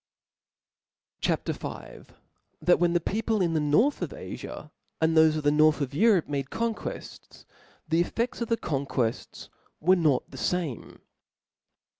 C H A P. V. T^at when the People in the North of AJia^ and thoje of the North of Europe made conguejk, the effeSis of the Conqueji were not the fame.